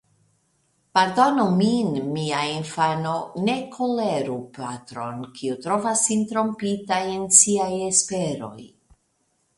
Pardonu min, mia infano; ne koleru patron, kiu trovas sin trompita en siaj esperoj.